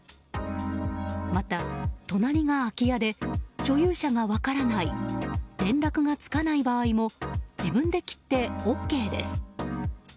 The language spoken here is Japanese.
また、隣が空き家で所有者が分からない連絡がつかない場合も自分で切ってＯＫです。